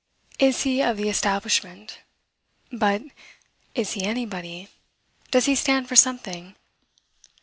is he of the establishment? but, Is he anybody? does he stand for something?